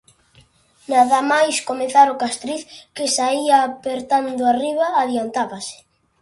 Nada máis comezar o Castriz, que saía apertando arriba, adiantábase.